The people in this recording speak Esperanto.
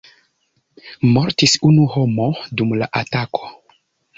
Mortis unu homo dum la atako.